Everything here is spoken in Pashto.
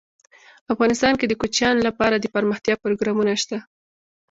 افغانستان کې د کوچیان لپاره دپرمختیا پروګرامونه شته.